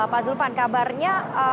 pak zulpan kabarnya